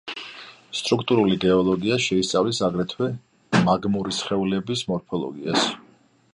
სტრუქტურული გეოლოგია შეისწავლის აგრეთვე მაგმური სხეულების მორფოლოგიას.